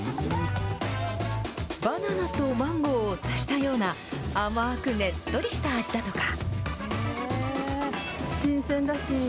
バナナとマンゴーを足したような、甘くねっとりした味だとか。